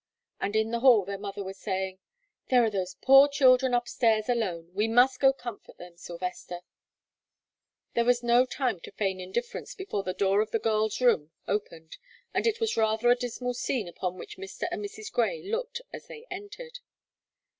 And in the hall their mother was saying: "There are those poor children upstairs alone; we must go comfort them, Sylvester." There was no time to feign indifference before the door of the girls' room opened, and it was rather a dismal scene upon which Mr. and Mrs. Grey looked as they entered.